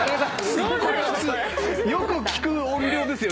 よく聞く音量ですよ